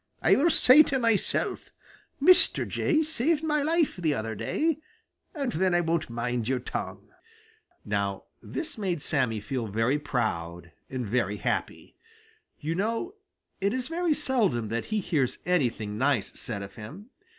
I will say to myself, 'Mr. Jay saved my life the other day,' and then I won't mind your tongue." Now this made Sammy feel very proud and very happy. You know it is very seldom that he hears anything nice said of him.